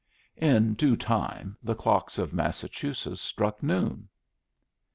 In due time the clocks of Massachusetts struck noon.